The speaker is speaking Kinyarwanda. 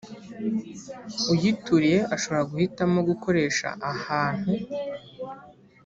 uyituriye ashobora guhitamo gukoresha ahantu